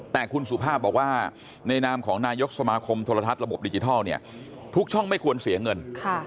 แต่คุณสุภาพบอกว่าในนามของนายกสมาคมโทรทัศน์ระบบดิจิทัลเนี่ยทุกช่องไม่ควรเสียเงิน